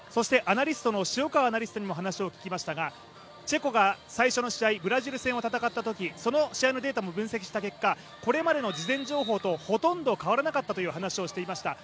アナリストにも話をききましたが、チェコが最初のブラジル戦その試合を戦ったとき、試合のデータも分析した結果、これまでの事前情報とほとんど変わらなかったという話をしていました。